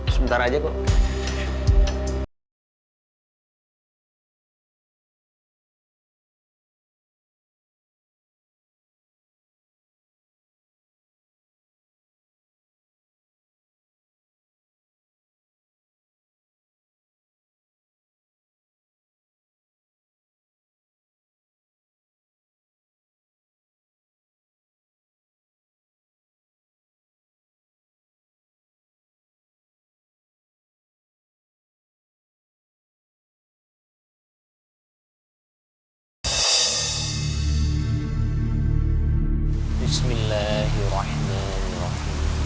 sebentar aja kok